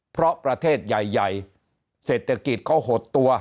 เพราะประเทศใหญ่เศรษฐกิจเขาหดตัว